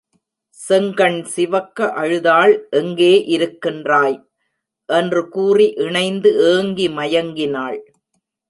செங்கண்சிவக்க அழுதாள் எங்கே இருக்கின்றாய்? என்று கூறி இணைந்து ஏங்கி மயங்கினாள்.